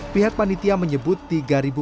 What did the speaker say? pihak panitia menyebut tiga